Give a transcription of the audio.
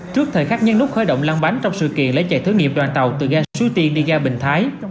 trước thời khắc nhân nút khởi động lăn bánh trong sự kiện lấy chạy thử nghiệm đoàn tàu từ ga sưu tiên đi ga bình thái